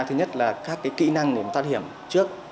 thứ nhất là các kỹ năng để mà thoát hiểm trước